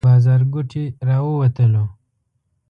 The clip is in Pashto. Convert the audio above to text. له بازارګوټي راووتلو.